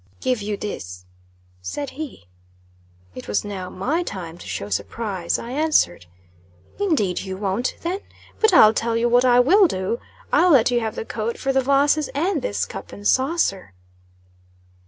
"Give you this," said he. It was now my time to show surprise; I answered "Indeed you won't, then. But I'll tell you what I will do; I'll let you have the coat for the vases and this cup and saucer."